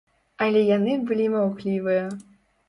Але яны былі маўклівыя.